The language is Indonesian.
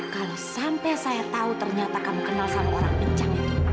kalau sampai saya tahu ternyata kamu kenal sama orang kencang itu